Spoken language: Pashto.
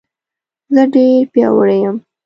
زه ډېر پیاوړی یم